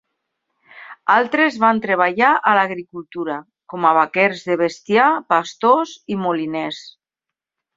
Altres van treballar a l'agricultura, com a vaquers de bestiar pastors i moliners.